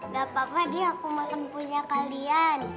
gak apa apa dia aku makan punya kalian